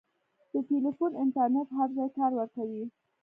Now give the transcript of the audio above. د ټیلیفون انټرنېټ هر ځای کار ورکوي.